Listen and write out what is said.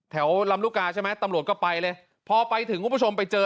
ลำลูกกาใช่ไหมตำรวจก็ไปเลยพอไปถึงคุณผู้ชมไปเจอ